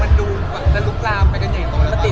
มันดูจะลุกลามไปกันอย่างนี้